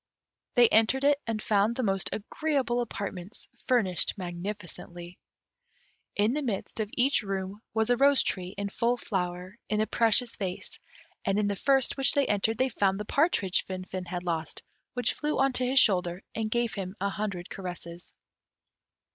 They entered it, and found the most agreeable apartments, furnished magnificently. In the midst of each room was a rose tree in full flower, in a precious vase; and in the first which they entered, they found the partridge Finfin had lost, which flew on to his shoulder and gave him an hundred caresses.